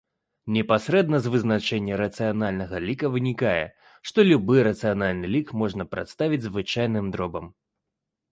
Непасрэдна з вызначэння рацыянальнага ліка вынікае, што любы рацыянальны лік можна прадставіць звычайным дробам.